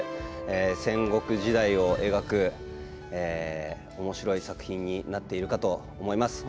戦国時代を描くおもしろい作品になっているかと思います。